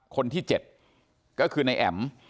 คนที่๗ก็คือนายแอ๋ม